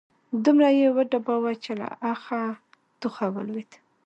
دومره يې وډباوه چې له اخه، ټوخه ولوېد